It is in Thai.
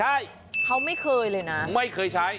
ใช่เขาไม่เคยเลยนะไม่เคยใช้